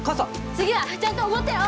次はちゃんとおごってよ。